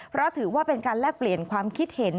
เพราะถือว่าเป็นการแลกเปลี่ยนความคิดเห็น